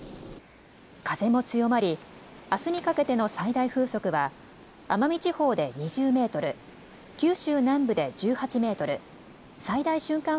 風も強まり、あすにかけての最大風速は奄美地方で２０メートル、九州南部で１８メートル、最大瞬間